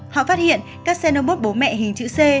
họ phát hiện các xenobot bố mẹ hình chữ c